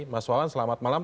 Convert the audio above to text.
mas wawan selamat malam